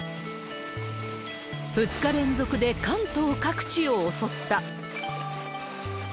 ２日連続で関東各地を襲った。